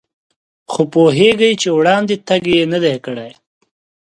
خو پوهېږي چې وړاندې تګ یې نه دی کړی.